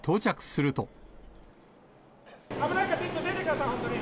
危ないからちょっと出てください、本当に。